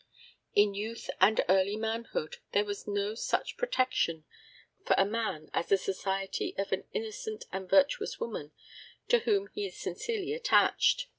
In youth and early manhood there is no such protection for a man as the society of an innocent and virtuous woman to whom he is sincerely attached.